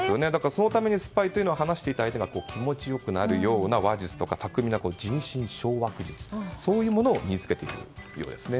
そのために、スパイというのは話していた相手が気持ちよくなるような話術とか巧みな人心掌握術そういうものを身に着けているということですね。